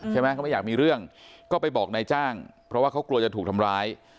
ใช่ไหมเขาไม่อยากมีเรื่องก็ไปบอกนายจ้างเพราะว่าเขากลัวจะถูกทำร้าย